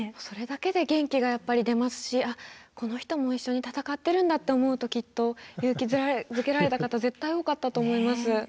それだけで元気がやっぱり出ますし「あっこの人も一緒に闘ってるんだ」って思うときっと勇気づけられた方絶対多かったと思います。